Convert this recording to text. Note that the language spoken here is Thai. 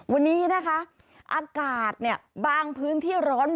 วันนี้นะคะอากาศเนี่ยบางพื้นที่ร้อน